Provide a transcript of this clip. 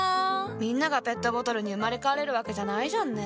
みんながペットボトルに生まれ変われるわけじゃないじゃんね。